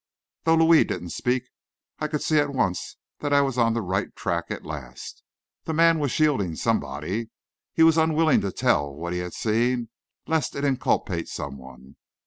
Though Louis didn't speak, I could see at once that I was on the right track at last. The man was shielding somebody. He was unwilling to tell what he had seen, lest it inculpate someone.